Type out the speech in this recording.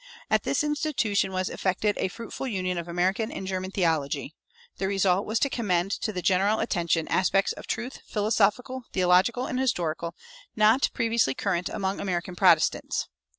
At this institution was effected a fruitful union of American and German theology; the result was to commend to the general attention aspects of truth, philosophical, theological, and historical, not previously current among American Protestants.